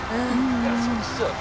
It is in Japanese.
いやそうっすよね。